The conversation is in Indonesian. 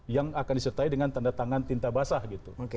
yang akan disertai dengan tanda tangan tinta basah gitu